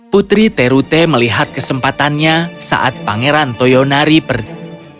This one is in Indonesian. putri terute melihat kesempatannya saat pangeran toyonari pergi